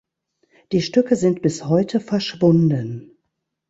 Die Stücke sind bis heute verschwunden.